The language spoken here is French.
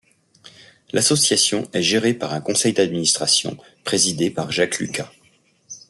L'association est gérée par un conseil d'administration présidé par Jacques Lucas.